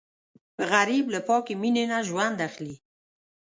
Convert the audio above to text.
غریب له پاکې مینې نه ژوند اخلي